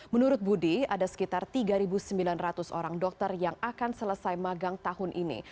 menurut budi ada sekitar tiga sembilan ratus orang dokter yang akan selesai magang tahun ini